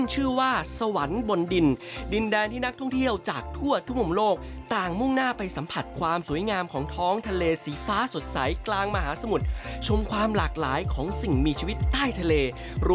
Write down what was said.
สวัสดีครับผมกุ๊ปตะนันพี่สิบหมาฮันและรู้ก่อนร้อนหนาว